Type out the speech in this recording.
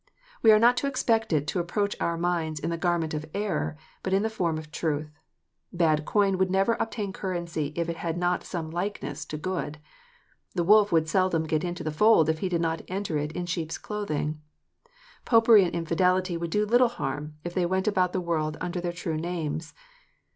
We are not to expect it to approach our minds in the garment of error, but in the form of truth. Bad coin would never obtain currency if it had not some likeness to good. The wolf would seldom get into the fold if he did not enter it in sheep s clothing. Popery and infidelity would do little harm if they went about the world under their true names.